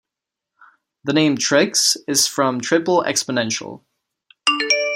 The name Trix is from triple exponential.